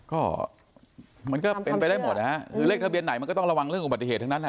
ก็มันก็เป็นไปได้หมดนะฮะคือเลขทะเบียนไหนมันก็ต้องระวังเรื่องอุบัติเหตุทั้งนั้น